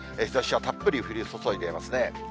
日ざしはたっぷり降り注いでいますね。